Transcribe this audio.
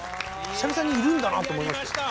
久々にいるんだなと思いました。